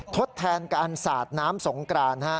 ทดแทนการสาดน้ำสงกราน